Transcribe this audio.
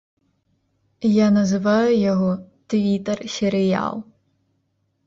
Я называю яго твітэр-серыял.